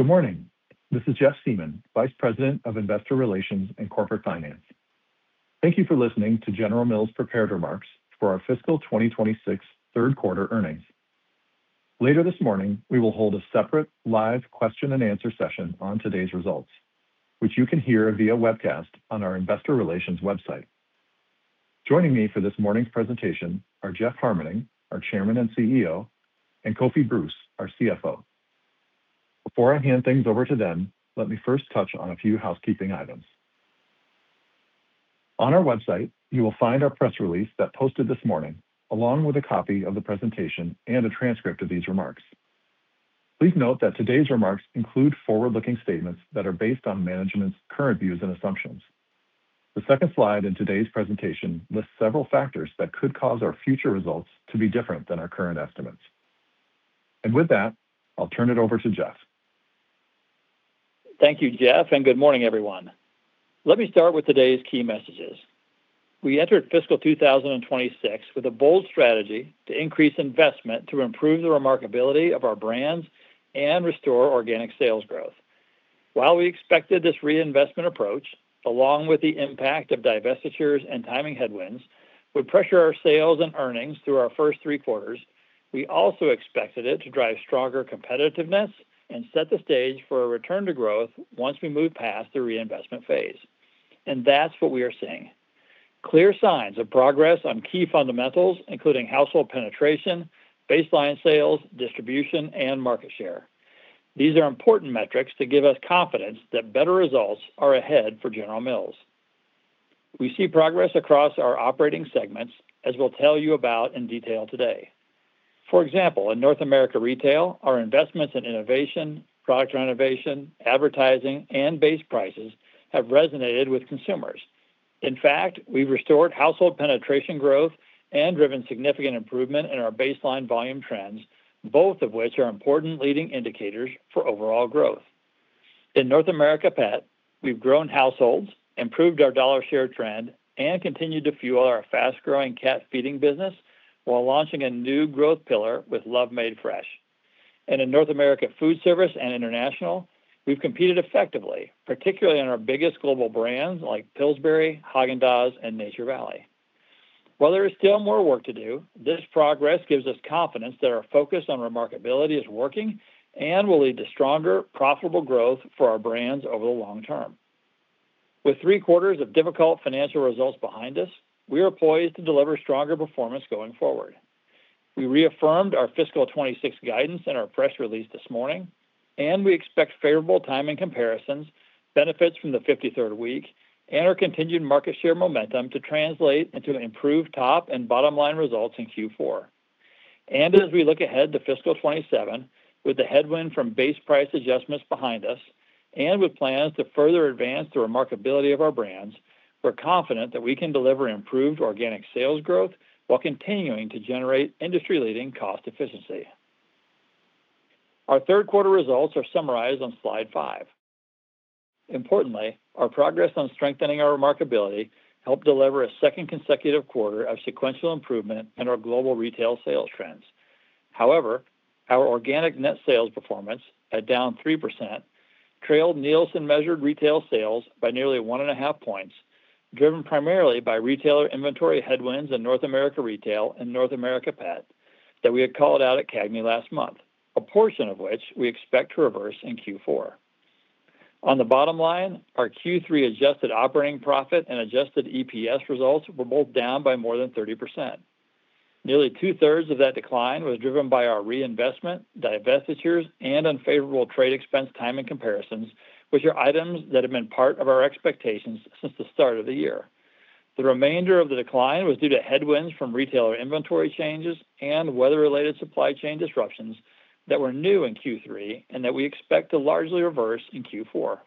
Good morning. This is Jeff Siemon, Vice President of Investor Relations and Corporate Finance. Thank you for listening to General Mills prepared remarks for our Fiscal 2026 Third Quarter Earnings. Later this morning, we will hold a separate live question and answer session on today's results, which you can hear via webcast on our investor relations website. Joining me for this morning's presentation are Jeff Harmening, our Chairman and CEO, and Kofi Bruce, our CFO. Before I hand things over to them, let me first touch on a few housekeeping items. On our website, you will find our press release that posted this morning, along with a copy of the presentation and a transcript of these remarks. Please note that today's remarks include forward-looking statements that are based on management's current views and assumptions. The second slide in today's presentation lists several factors that could cause our future results to be different than our current estimates. With that, I'll turn it over to Jeff. Thank you, Jeff, and good morning, everyone. Let me start with today's key messages. We entered fiscal 2026 with a bold strategy to increase investment to improve the remarkability of our brands and restore organic sales growth. While we expected this reinvestment approach, along with the impact of divestitures and timing headwinds, would pressure our sales and earnings through our first three quarters, we also expected it to drive stronger competitiveness and set the stage for a return to growth once we move past the reinvestment phase. That's what we are seeing. Clear signs of progress on key fundamentals, including household penetration, baseline sales, distribution, and market share. These are important metrics to give us confidence that better results are ahead for General Mills. We see progress across our operating segments, as we'll tell you about in detail today. For example, in North America Retail, our investments in innovation, product renovation, advertising, and base prices have resonated with consumers. In fact, we've restored household penetration growth and driven significant improvement in our baseline volume trends, both of which are important leading indicators for overall growth. In North America Pet, we've grown households, improved our dollar share trend, and continued to fuel our fast-growing cat feeding business while launching a new growth pillar with Love Made Fresh. In North America Foodservice and International, we've competed effectively, particularly on our biggest global brands like Pillsbury, Häagen-Dazs, and Nature Valley. While there is still more work to do, this progress gives us confidence that our focus on remarkability is working and will lead to stronger, profitable growth for our brands over the long term. With three-quarters of difficult financial results behind us, we are poised to deliver stronger performance going forward. We reaffirmed our fiscal 2026 guidance in our press release this morning, and we expect favorable timing comparisons, benefits from the 53rd week, and our contingent market share momentum to translate into improved top and bottom-line results in Q4. As we look ahead to fiscal 2027, with the headwind from base price adjustments behind us and with plans to further advance the remarkability of our brands, we're confident that we can deliver improved organic sales growth while continuing to generate industry-leading cost efficiency. Our third quarter results are summarized on slide five. Importantly, our progress on strengthening our remarkability helped deliver a second consecutive quarter of sequential improvement in our global retail sales trends. However, our organic net sales performance at down 3% trailed Nielsen-measured retail sales by nearly 1.5 points, driven primarily by retailer inventory headwinds in North America Retail and North America Pet that we had called out at CAGNY last month, a portion of which we expect to reverse in Q4. On the bottom line, our Q3 adjusted operating profit and adjusted EPS results were both down by more than 30%. Nearly 2/3 of that decline was driven by our reinvestment, divestitures, and unfavorable trade expense timing comparisons, which are items that have been part of our expectations since the start of the year. The remainder of the decline was due to headwinds from retailer inventory changes and weather-related supply chain disruptions that were new in Q3 and that we expect to largely reverse in Q4.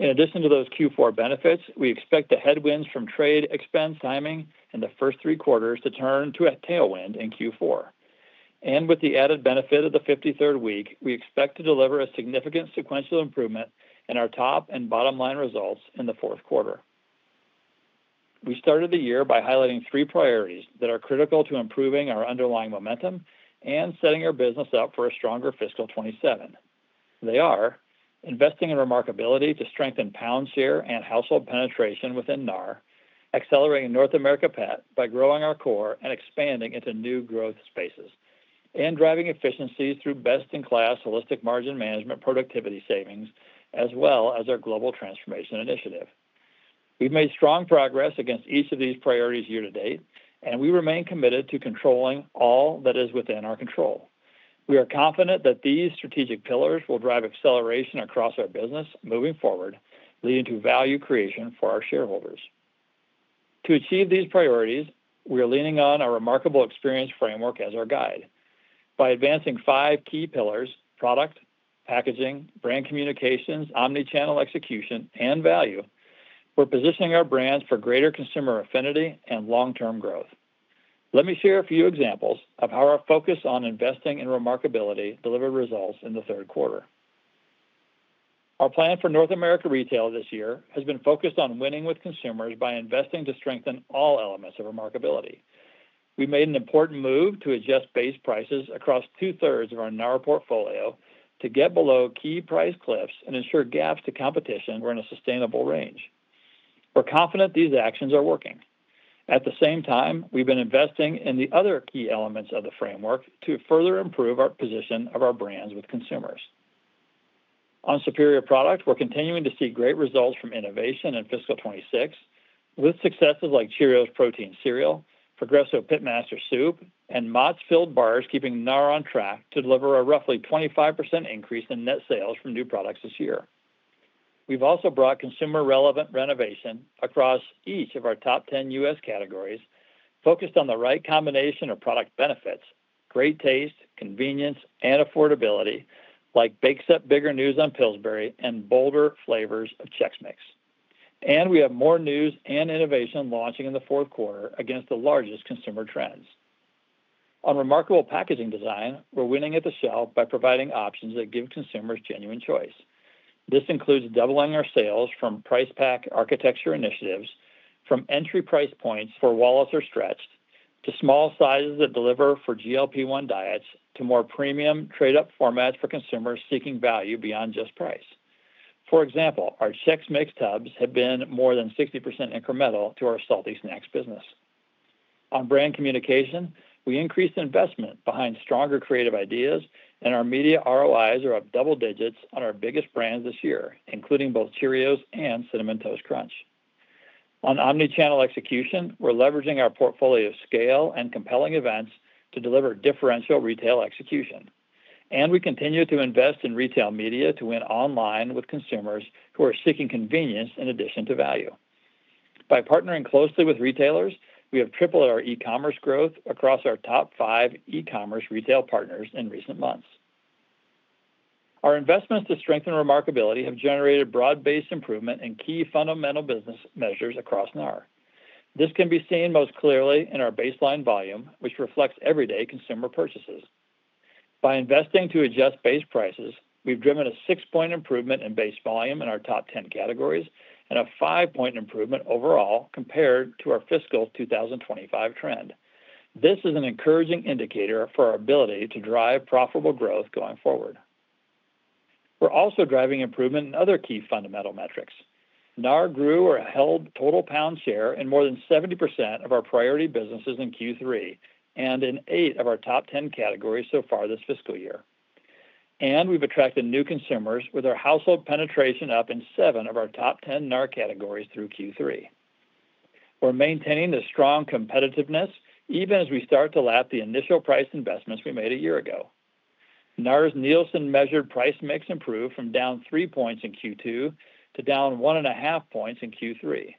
In addition to those Q4 benefits, we expect the headwinds from trade expense timing in the first three quarters to turn to a tailwind in Q4. With the added benefit of the 53rd week, we expect to deliver a significant sequential improvement in our top and bottom-line results in the fourth quarter. We started the year by highlighting three priorities that are critical to improving our underlying momentum and setting our business up for a stronger fiscal 2027. They are investing in remarkability to strengthen pound share and household penetration within NAR, accelerating North America Pet by growing our core and expanding into new growth spaces, and driving efficiencies through best-in-class holistic margin management productivity savings, as well as our global transformation initiative. We've made strong progress against each of these priorities year to date, and we remain committed to controlling all that is within our control. We are confident that these strategic pillars will drive acceleration across our business moving forward, leading to value creation for our shareholders. To achieve these priorities, we are leaning on our remarkable experience framework as our guide. By advancing five key pillars, product, packaging, brand communications, omni-channel execution, and value, we're positioning our brands for greater consumer affinity and long-term growth. Let me share a few examples of how our focus on investing in remarkability delivered results in the third quarter. Our plan for North America Retail this year has been focused on winning with consumers by investing to strengthen all elements of remarkability. We made an important move to adjust base prices across 2/3 of our NAR portfolio to get below key price cliffs and ensure gaps to competition were in a sustainable range. We're confident these actions are working. At the same time, we've been investing in the other key elements of the framework to further improve our position of our brands with consumers. On superior product, we're continuing to see great results from innovation in fiscal 2026, with successes like Cheerios protein cereal, Progresso Pitmaster Soup, and Mott's filled bars keeping NAR on track to deliver a roughly 25% increase in net sales from new products this year. We've also brought consumer relevant renovation across each of our top 10 U.S. categories, focused on the right combination of product benefits, great taste, convenience, and affordability, like bakes up bigger news on Pillsbury and bolder flavors of Chex Mix. We have more news and innovation launching in the fourth quarter against the largest consumer trends. On remarkable packaging design, we're winning at the shelf by providing options that give consumers genuine choice. This includes doubling our sales from Price Pack Architecture initiatives, from entry price points for wallets are stretched, to small sizes that deliver for GLP-1 diets, to more premium trade-up formats for consumers seeking value beyond just price. For example, our Chex Mix tubs have been more than 60% incremental to our salty snacks business. On brand communication, we increased investment behind stronger creative ideas, and our media ROIs are up double digits on our biggest brands this year, including both Cheerios and Cinnamon Toast Crunch. On omni-channel execution, we're leveraging our portfolio scale and compelling events to deliver differential retail execution. We continue to invest in retail media to win online with consumers who are seeking convenience in addition to value. By partnering closely with retailers, we have tripled our e-commerce growth across our top five e-commerce retail partners in recent months. Our investments to strengthen remarkability have generated broad-based improvement in key fundamental business measures across NAR. This can be seen most clearly in our baseline volume, which reflects everyday consumer purchases. By investing to adjust base prices, we've driven a six-point improvement in base volume in our top 10 categories and a five-point improvement overall compared to our fiscal 2025 trend. This is an encouraging indicator for our ability to drive profitable growth going forward. We're also driving improvement in other key fundamental metrics. NAR grew or held total pound share in more than 70% of our priority businesses in Q3, and in eight of our top 10 categories so far this fiscal year. We've attracted new consumers with our household penetration up in seven of our top 10 NAR categories through Q3. We're maintaining the strong competitiveness even as we start to lap the initial price investments we made a year ago. NAR's Nielsen-measured price mix improved from down three points in Q2 to down 1.5 points in Q3.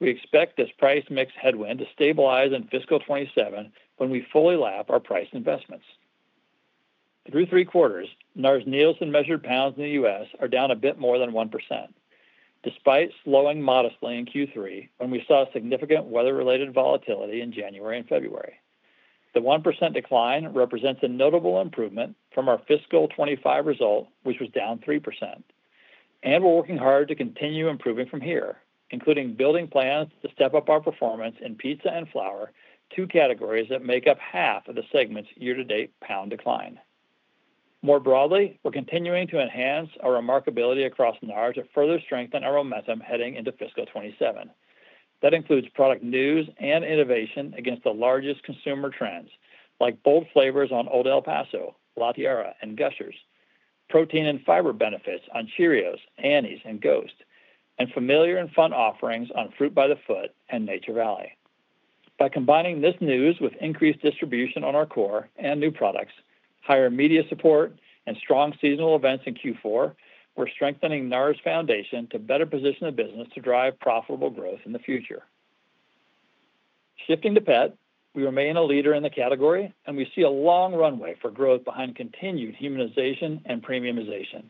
We expect this price mix headwind to stabilize in fiscal 2027 when we fully lap our price investments. Through three quarters, NAR's Nielsen-measured pounds in the U.S. are down a bit more than 1%. Despite slowing modestly in Q3 when we saw significant weather-related volatility in January and February, the 1% decline represents a notable improvement from our fiscal 2025 result, which was down 3%. We're working hard to continue improving from here, including building plans to step up our performance in pizza and flour, two categories that make up half of the segment's year-to-date pound decline. More broadly, we're continuing to enhance our remarkability across NAR to further strengthen our momentum heading into fiscal 2027. That includes product news and innovation against the largest consumer trends, like bold flavors on Old El Paso, La Tiara, and Gushers, protein and fiber benefits on Cheerios, Annie's, and GHOST, and familiar and fun offerings on Fruit by the Foot and Nature Valley. By combining this news with increased distribution on our core and new products, higher media support, and strong seasonal events in Q4, we're strengthening NAR's foundation to better position the business to drive profitable growth in the future. Shifting to pet, we remain a leader in the category, and we see a long runway for growth behind continued humanization and premiumization.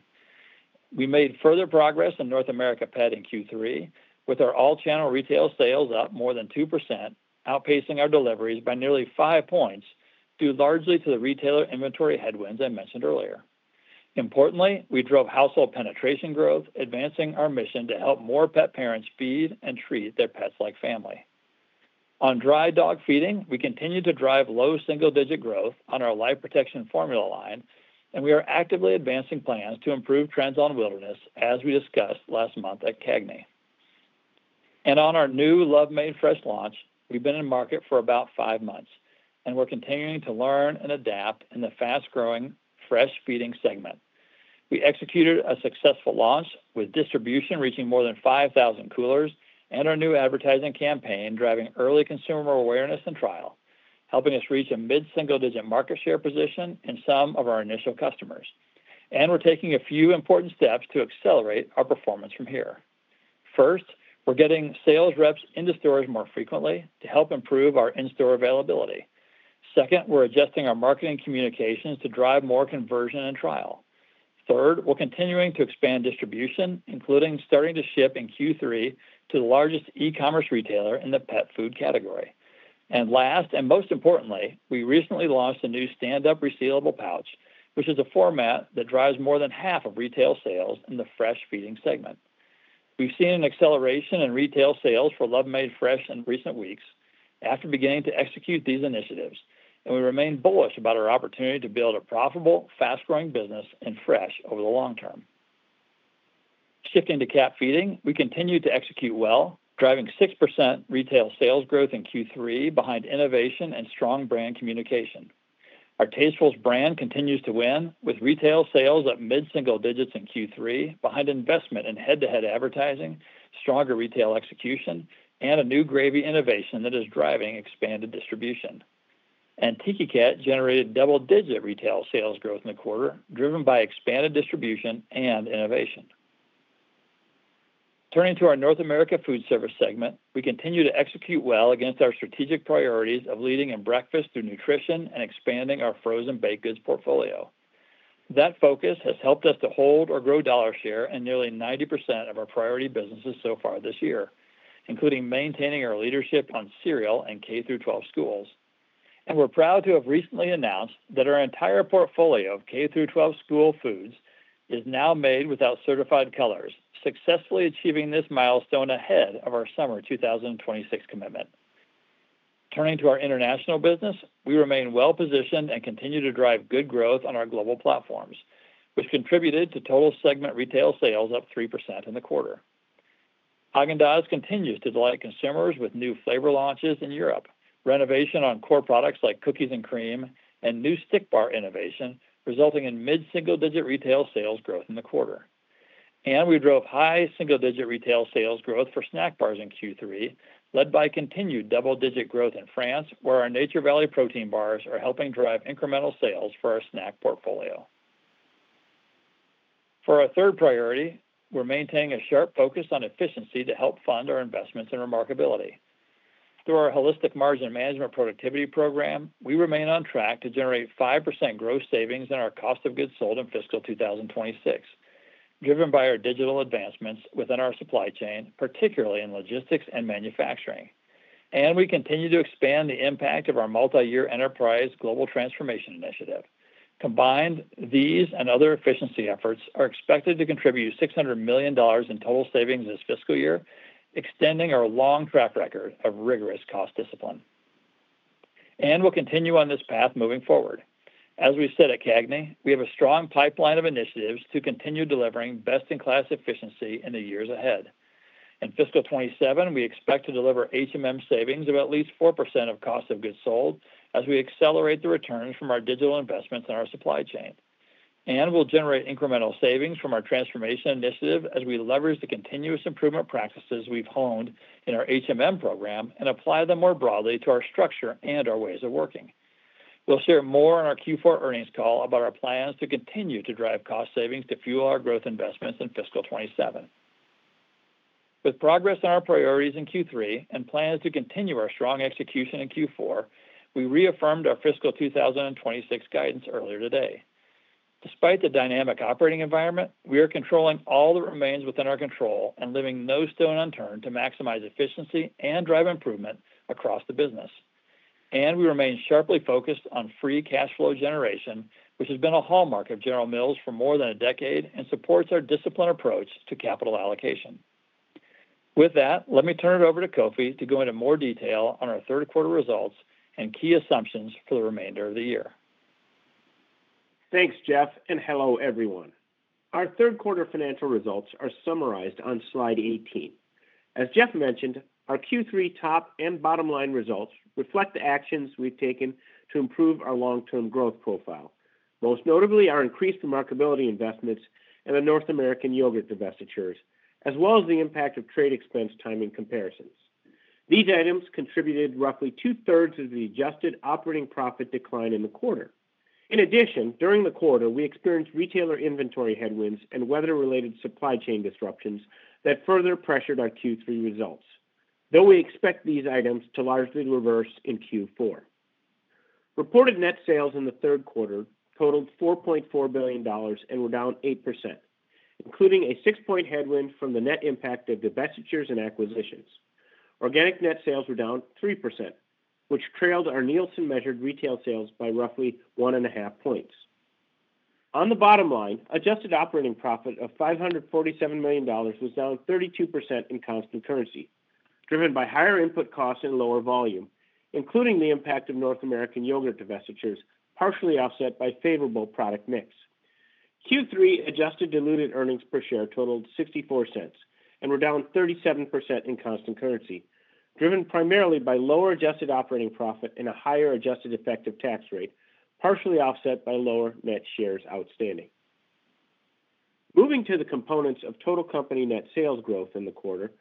We made further progress in North America Pet in Q3 with our all-channel retail sales up more than 2%, outpacing our deliveries by nearly five points, due largely to the retailer inventory headwinds I mentioned earlier. Importantly, we drove household penetration growth, advancing our mission to help more pet parents feed and treat their pets like family. On dry dog feeding, we continue to drive low single-digit growth on our Life Protection Formula line, and we are actively advancing plans to improve trends on Wilderness, as we discussed last month at CAGNY. On our new Love Made Fresh launch, we've been in market for about 5five months, and we're continuing to learn and adapt in the fast-growing fresh feeding segment. We executed a successful launch with distribution reaching more than 5,000 coolers and our new advertising campaign driving early consumer awareness and trial, helping us reach a mid-single digit market share position in some of our initial customers. We're taking a few important steps to accelerate our performance from here. First, we're getting sales reps into stores more frequently to help improve our in-store availability. Second, we're adjusting our marketing communications to drive more conversion and trial. Third, we're continuing to expand distribution, including starting to ship in Q3 to the largest e-commerce retailer in the pet food category. Last, and most importantly, we recently launched a new stand-up resealable pouch, which is a format that drives more than half of retail sales in the fresh feeding segment. We've seen an acceleration in retail sales for Love Made Fresh in recent weeks after beginning to execute these initiatives, and we remain bullish about our opportunity to build a profitable, fast-growing business in fresh over the long term. Shifting to cat feeding, we continue to execute well, driving 6% retail sales growth in Q3 behind innovation and strong brand communication. Our Tastefuls brand continues to win, with retail sales at mid-single digits in Q3 behind investment in head-to-head advertising, stronger retail execution, and a new gravy innovation that is driving expanded distribution. Tiki Cat generated double-digit retail sales growth in the quarter, driven by expanded distribution and innovation. Turning to our North America Foodservice segment, we continue to execute well against our strategic priorities of leading in breakfast through nutrition and expanding our frozen baked goods portfolio. That focus has helped us to hold or grow dollar share in nearly 90% of our priority businesses so far this year, including maintaining our leadership on cereal and K-12 schools. We're proud to have recently announced that our entire portfolio of K-12 school foods is now made without certified colors, successfully achieving this milestone ahead of our summer 2026 commitment. Turning to our international business, we remain well-positioned and continue to drive good growth on our global platforms, which contributed to total segment retail sales up 3% in the quarter. Häagen-Dazs continues to delight consumers with new flavor launches in Europe, renovation on core products like cookies and cream, and new stick bar innovation, resulting in mid-single-digit retail sales growth in the quarter. We drove high single-digit retail sales growth for snack bars in Q3, led by continued double-digit growth in France, where our Nature Valley protein bars are helping drive incremental sales for our snack portfolio. For our third priority, we're maintaining a sharp focus on efficiency to help fund our investments in remarkability. Through our holistic margin management productivity program, we remain on track to generate 5% gross savings in our cost of goods sold in fiscal 2026, driven by our digital advancements within our supply chain, particularly in logistics and manufacturing. We continue to expand the impact of our multi-year enterprise global transformation initiative. Combined, these and other efficiency efforts are expected to contribute $600 million in total savings this fiscal year, extending our long track record of rigorous cost discipline. We'll continue on this path moving forward. As we've said at CAGNY, we have a strong pipeline of initiatives to continue delivering best-in-class efficiency in the years ahead. In fiscal 2027, we expect to deliver HMM savings of at least 4% of cost of goods sold as we accelerate the returns from our digital investments in our supply chain. We'll generate incremental savings from our transformation initiative as we leverage the continuous improvement practices we've honed in our HMM program and apply them more broadly to our structure and our ways of working. We'll share more on our Q4 earnings call about our plans to continue to drive cost savings to fuel our growth investments in fiscal 2027. With progress on our priorities in Q3 and plans to continue our strong execution in Q4, we reaffirmed our fiscal 2026 guidance earlier today. Despite the dynamic operating environment, we are controlling all that remains within our control and leaving no stone unturned to maximize efficiency and drive improvement across the business. We remain sharply focused on free cash flow generation, which has been a hallmark of General Mills for more than a decade and supports our disciplined approach to capital allocation. With that, let me turn it over to Kofi to go into more detail on our third quarter results and key assumptions for the remainder of the year. Thanks, Jeff, and hello, everyone. Our third quarter financial results are summarized on slide 18. As Jeff mentioned, our Q3 top and bottom line results reflect the actions we've taken to improve our long-term growth profile, most notably our increased remarkability investments and the North American Yogurt divestitures, as well as the impact of trade expense timing comparisons. These items contributed roughly 2/3 of the adjusted operating profit decline in the quarter. In addition, during the quarter, we experienced retailer inventory headwinds and weather-related supply chain disruptions that further pressured our Q3 results, though we expect these items to largely reverse in Q4. Reported net sales in the third quarter totaled $4.4 billion and were down 8%, including a six-point headwind from the net impact of divestitures and acquisitions. Organic net sales were down 3%, which trailed our Nielsen-measured retail sales by roughly 1.5 points. On the bottom line, adjusted operating profit of $547 million was down 32% in constant currency, driven by higher input costs and lower volume, including the impact of North American Yogurt divestitures, partially offset by favorable product mix. Q3 adjusted diluted earnings per share totaled $0.64 and were down 37% in constant currency, driven primarily by lower adjusted operating profit and a higher adjusted effective tax rate, partially offset by lower net shares outstanding. Moving to the components of total company net sales growth in the quarter,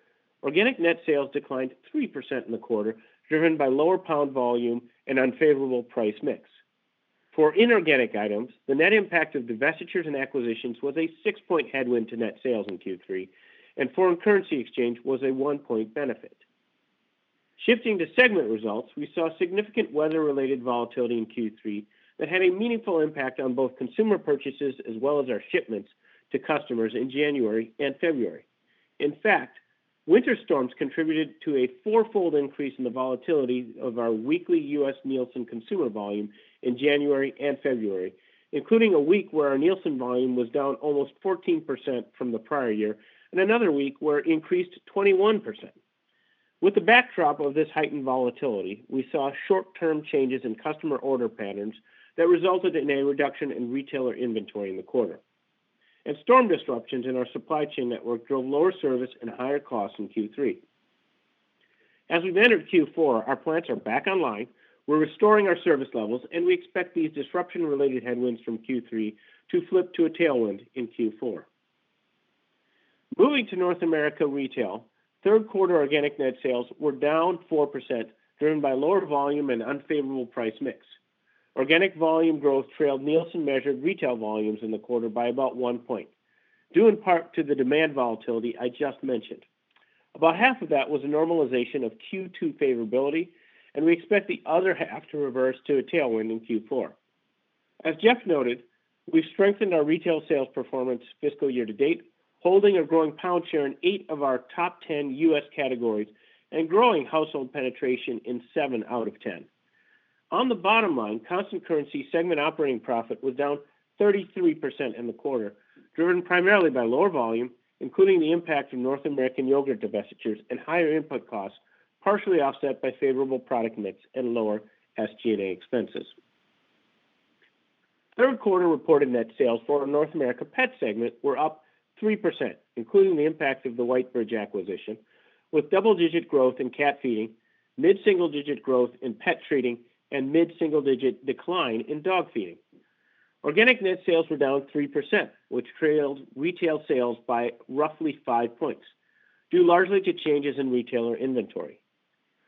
organic net sales declined 3% in the quarter, driven by lower pound volume and unfavorable price/mix. For inorganic items, the net impact of divestitures and acquisitions was a six-point headwind to net sales in Q3, and foreign currency exchange was a one-point benefit. Shifting to segment results, we saw significant weather-related volatility in Q3 that had a meaningful impact on both consumer purchases as well as our shipments to customers in January and February. In fact, winter storms contributed to a four-fold increase in the volatility of our weekly U.S. Nielsen consumer volume in January and February, including a week where our Nielsen volume was down almost 14% from the prior year and another week where it increased 21%. With the backdrop of this heightened volatility, we saw short-term changes in customer order patterns that resulted in a reduction in retailer inventory in the quarter. Storm disruptions in our supply chain network drove lower service and higher costs in Q3. As we've entered Q4, our plants are back online, we're restoring our service levels, and we expect these disruption-related headwinds from Q3 to flip to a tailwind in Q4. Moving to North America Retail, third quarter organic net sales were down 4%, driven by lower volume and unfavorable price mix. Organic volume growth trailed Nielsen-measured retail volumes in the quarter by about one point, due in part to the demand volatility I just mentioned. About half of that was a normalization of Q2 favorability, and we expect the other half to reverse to a tailwind in Q4. As Jeff noted, we've strengthened our retail sales performance fiscal year to date, holding a growing pound share in eight of our top ten U.S. categories and growing household penetration in seven out of ten. On the bottom line, constant currency segment operating profit was down 33% in the quarter, driven primarily by lower volume, including the impact of North America Yogurt divestitures and higher input costs, partially offset by favorable product mix and lower SG&A expenses. Third quarter reported net sales for our North America Pet segment were up 3%, including the impact of the Whitebridge acquisition, with double-digit growth in cat feeding, mid-single-digit growth in pet treating, and mid-single-digit decline in dog feeding. Organic net sales were down 3%, which trailed retail sales by roughly five points, due largely to changes in retailer inventory.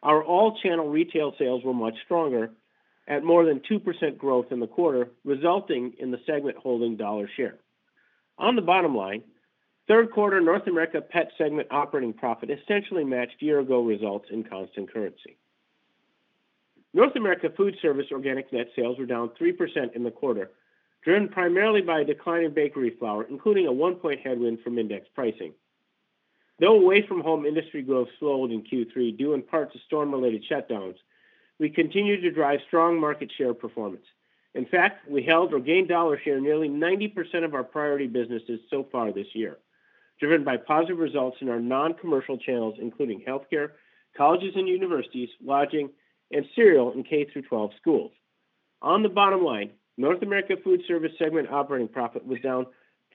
Our all-channel retail sales were much stronger at more than 2% growth in the quarter, resulting in the segment holding dollar share. On the bottom line, third quarter North America Pet segment operating profit essentially matched year-ago results in constant currency. North America Foodservice organic net sales were down 3% in the quarter, driven primarily by a decline in bakery flour, including a one-point headwind from index pricing. Though away-from-home industry growth slowed in Q3 due in part to storm-related shutdowns, we continued to drive strong market share performance. In fact, we held or gained dollar share in nearly 90% of our priority businesses so far this year, driven by positive results in our non-commercial channels, including healthcare, colleges and universities, lodging, and cereal in K-12 schools. On the bottom line, North America Foodservice segment operating profit was down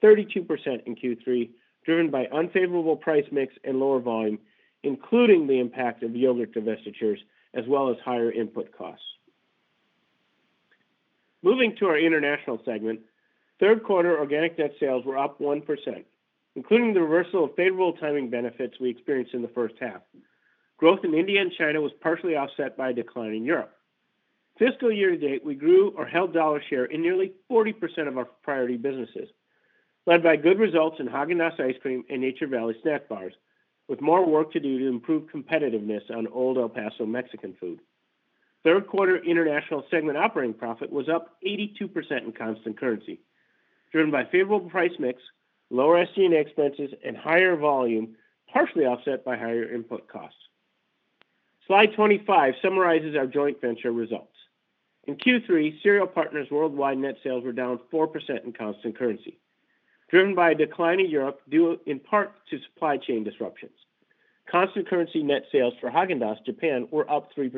32% in Q3, driven by unfavorable price mix and lower volume, including the impact of yogurt divestitures as well as higher input costs. Moving to our International segment, third quarter organic net sales were up 1%, including the reversal of favorable timing benefits we experienced in the first half. Growth in India and China was partially offset by a decline in Europe. Fiscal year-to-date, we grew or held dollar share in nearly 40% of our priority businesses, led by good results in Häagen-Dazs ice cream and Nature Valley snack bars, with more work to do to improve competitiveness on Old El Paso Mexican food. Third quarter International segment operating profit was up 82% in constant currency, driven by favorable price mix, lower SG&A expenses, and higher volume, partially offset by higher input costs. Slide 25 summarizes our joint venture results. In Q3, Cereal Partners Worldwide net sales were down 4% in constant currency, driven by a decline in Europe due in part to supply chain disruptions. Constant currency net sales for Häagen-Dazs Japan were up 3%,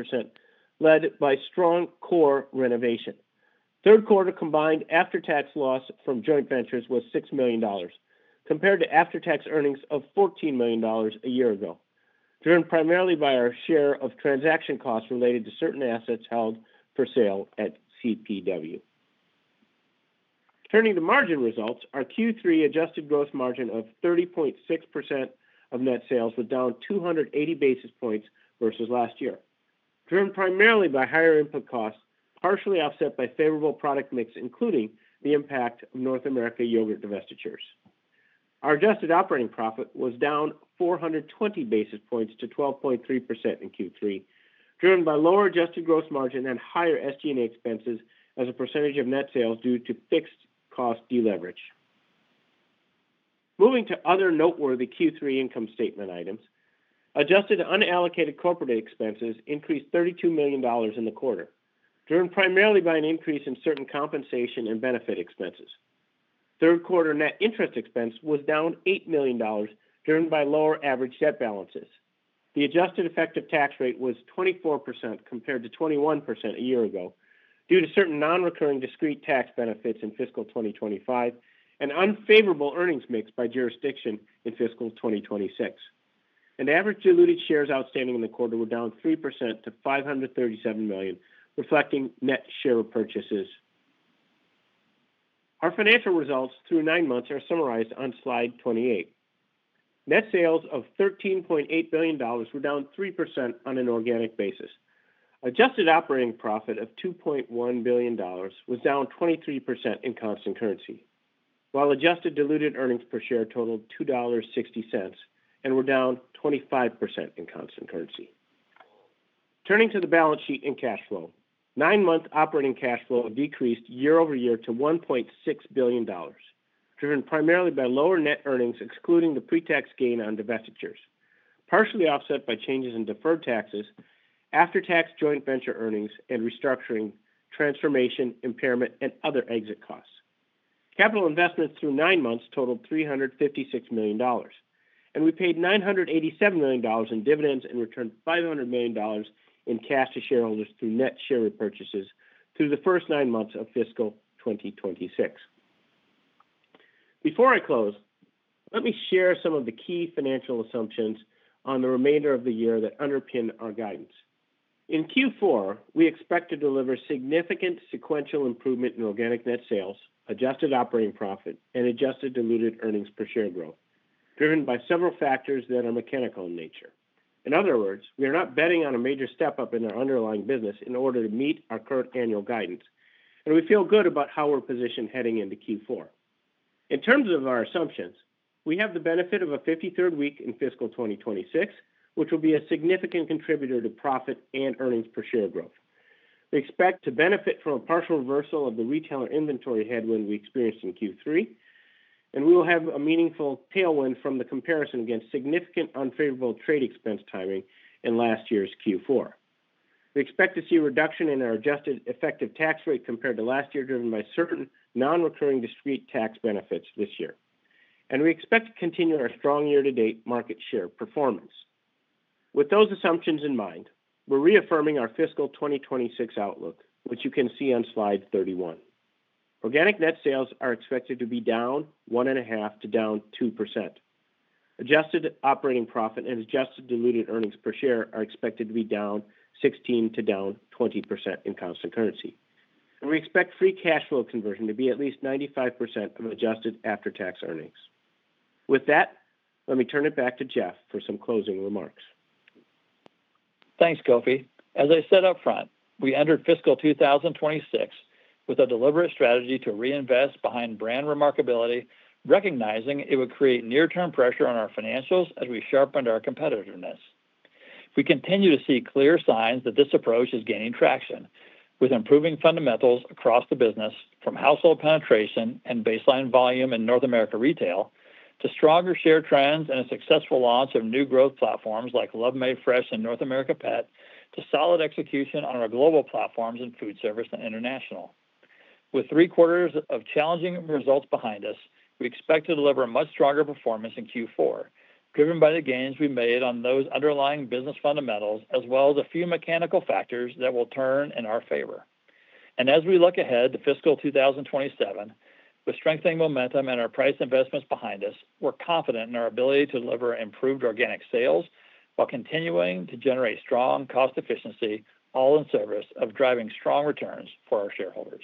led by strong core renovation. Third quarter combined after-tax loss from joint ventures was $6 million, compared to after-tax earnings of $14 million a year ago, driven primarily by our share of transaction costs related to certain assets held for sale at CPW. Turning to margin results, our Q3 adjusted gross margin of 30.6% of net sales was down 280 basis points versus last year, driven primarily by higher input costs, partially offset by favorable product mix, including the impact of North American Yogurt divestitures. Our adjusted operating profit was down 420 basis points to 12.3% in Q3, driven by lower adjusted gross margin and higher SG&A expenses as a percentage of net sales due to fixed cost deleverage. Moving to other noteworthy Q3 income statement items, adjusted unallocated corporate expenses increased $32 million in the quarter, driven primarily by an increase in certain compensation and benefit expenses. Third quarter net interest expense was down $8 million, driven by lower average debt balances. The adjusted effective tax rate was 24% compared to 21% a year ago due to certain non-recurring discrete tax benefits in fiscal 2025 and unfavorable earnings mix by jurisdiction in fiscal 2026. Average diluted shares outstanding in the quarter were down 3% to 537 million, reflecting net share purchases. Our financial results through nine months are summarized on slide 28. Net sales of $13.8 billion were down 3% on an organic basis. Adjusted operating profit of $2.1 billion was down 23% in constant currency, while adjusted diluted earnings per share totaled $2.60 and were down 25% in constant currency. Turning to the balance sheet and cash flow. Nine-month operating cash flow decreased year-over-year to $1.6 billion, driven primarily by lower net earnings, excluding the pre-tax gain on divestitures, partially offset by changes in deferred taxes, after-tax joint venture earnings and restructuring transformation impairment and other exit costs. Capital investments through nine months totaled $356 million, and we paid $987 million in dividends and returned $500 million in cash to shareholders through net share repurchases through the first nine months of fiscal 2026. Before I close, let me share some of the key financial assumptions on the remainder of the year that underpin our guidance. In Q4, we expect to deliver significant sequential improvement in organic net sales, adjusted operating profit, and adjusted diluted earnings per share growth, driven by several factors that are mechanical in nature. In other words, we are not betting on a major step-up in our underlying business in order to meet our current annual guidance, and we feel good about how we're positioned heading into Q4. In terms of our assumptions, we have the benefit of a 53rd week in fiscal 2026, which will be a significant contributor to profit and earnings per share growth. We expect to benefit from a partial reversal of the retailer inventory headwind we experienced in Q3, and we will have a meaningful tailwind from the comparison against significant unfavorable trade expense timing in last year's Q4. We expect to see a reduction in our adjusted effective tax rate compared to last year, driven by certain non-recurring discrete tax benefits this year. We expect to continue our strong year-to-date market share performance. With those assumptions in mind, we're reaffirming our fiscal 2026 outlook, which you can see on slide 31. Organic net sales are expected to be down 1.5%-2%. Adjusted operating profit and adjusted diluted earnings per share are expected to be down 16%-20% in constant currency. We expect free cash flow conversion to be at least 95% of adjusted after-tax earnings. With that, let me turn it back to Jeff for some closing remarks. Thanks, Kofi. As I said up front, we entered fiscal 2026 with a deliberate strategy to reinvest behind brand remarkability, recognizing it would create near-term pressure on our financials as we sharpened our competitiveness. We continue to see clear signs that this approach is gaining traction with improving fundamentals across the business from household penetration and baseline volume in North America Retail to stronger share trends and a successful launch of new growth platforms like Love Made Fresh and North America Pet to solid execution on our global platforms in foodservice and International. With three quarters of challenging results behind us, we expect to deliver a much stronger performance in Q4, driven by the gains we made on those underlying business fundamentals as well as a few mechanical factors that will turn in our favor. As we look ahead to fiscal 2027, with strengthening momentum and our price investments behind us, we're confident in our ability to deliver improved organic sales while continuing to generate strong cost efficiency, all in service of driving strong returns for our shareholders.